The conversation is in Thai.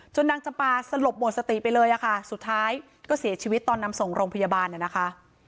นางจำปาสลบหมดสติไปเลยอะค่ะสุดท้ายก็เสียชีวิตตอนนำส่งโรงพยาบาลน่ะนะคะ